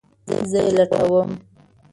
زه یی لټوم